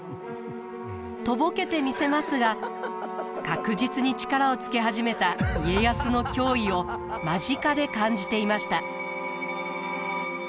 とぼけてみせますが確実に力をつけ始めた家康の脅威を間近で感じていました。